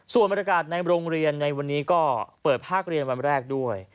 ส่วนบรรยากาศในโรงเรียนในวันนี้ก็เปิดภาคเรียนวันแรกด้วย